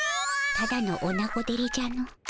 ただのおなごデレじゃの。